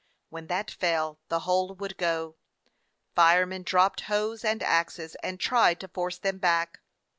When that fell the whole would go. Firemen dropped hose and axes and tried to force them back.